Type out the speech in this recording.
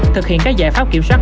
thực hiện các giải pháp kiểm soát